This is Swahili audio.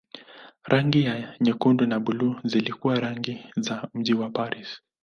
Rangi za nyekundu na buluu zilikuwa rangi za mji wa Paris.